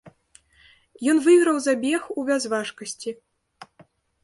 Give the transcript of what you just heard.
Ён выйграў забег у бязважкасці.